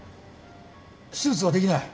手術はできない。